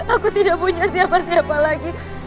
aku tidak punya siapa siapa lagi